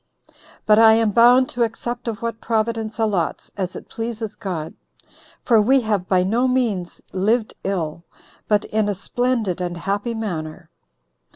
But I am bound to accept of what Providence allots, as it pleases God; for we have by no means lived ill, but in a splendid and happy manner."